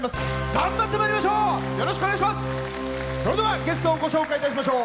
頑張ってまいりましょう！